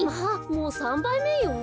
もう３ばいめよ。